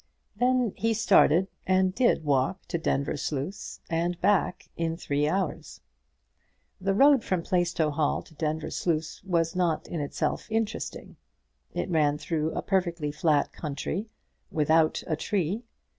Then he started, and did walk to Denvir Sluice and back in three hours. The road from Plaistow Hall to Denvir Sluice was not in itself interesting. It ran through a perfectly flat country, without a tree.